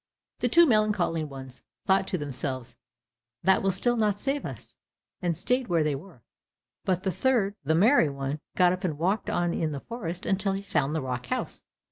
The two melancholy ones thought to themselves, "That will still not save us," and stayed where they were, but the third, the merry one, got up and walked on in the forest until he found the rock house.